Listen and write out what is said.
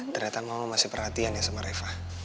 ternyata mama masih perhatian ya sama reva